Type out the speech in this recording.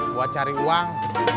buat cari uang